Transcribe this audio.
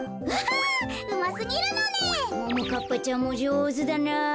ももかっぱちゃんもじょうずだなぁ。